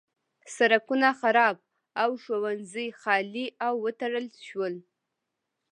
سړکونه خراب او ښوونځي خالي او وتړل شول.